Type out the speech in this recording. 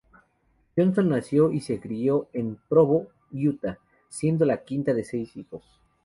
Johnson nació y se crió en Provo, Utah, siendo la quinta de seis hijos.